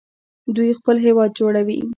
دوی خپل هیواد جوړوي.